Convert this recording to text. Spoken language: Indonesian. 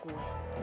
aku suka sama kamu